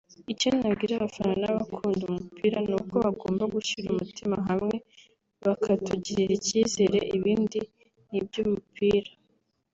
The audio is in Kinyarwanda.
Icyo nabwira abafana n’abakunda umupira ni uko bagomba gushyira umutima hamwe bakatugirira icyizere ibindi ni iby’umupira